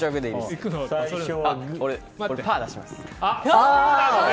俺、パー出します。